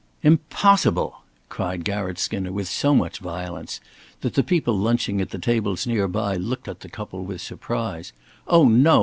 "Impossible," cried Garratt Skinner, with so much violence that the people lunching at the tables near by looked up at the couple with surprise. "Oh, no!